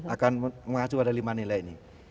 akan mengacu pada lima nilai ini